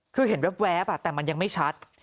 คือเห็นแว๊บแต่มันยังไม่ชัด